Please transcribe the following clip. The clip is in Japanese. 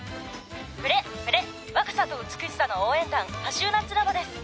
「フレッフレッ若さと美しさの応援団カシューナッツラボです」